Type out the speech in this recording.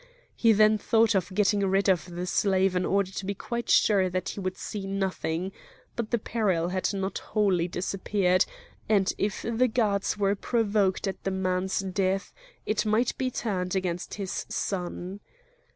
He then thought of getting rid of the slave in order to be quite sure that he would see nothing; but the peril had not wholly disappeared, and, if the gods were provoked at the man's death, it might be turned against his son.